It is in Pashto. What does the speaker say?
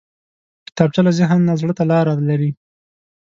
کتابچه له ذهن نه زړه ته لاره لري